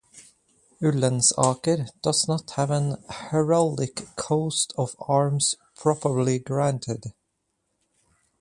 Ullensaker does not have an heraldic coat-of-arms properly granted.